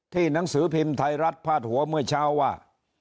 หนังสือพิมพ์ไทยรัฐพาดหัวเมื่อเช้าว่า